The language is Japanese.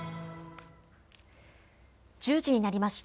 １０時になりました。